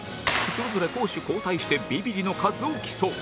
それぞれ攻守交代してビビリの数を競う